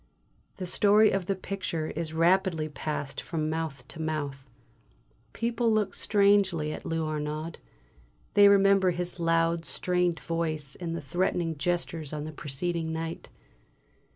The story of the picture is rapidly passed from mouth to mouth. People look strangely at Lou Arnaud; they remember his loud, strained voice and threatening gestures on the preceding night.